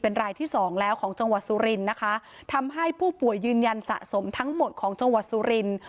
รายที่สองแล้วของจังหวัดสุรินทร์นะคะทำให้ผู้ป่วยยืนยันสะสมทั้งหมดของจังหวัดสุรินทร์